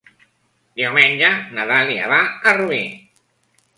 Diumenge na Dàlia va a Rubí.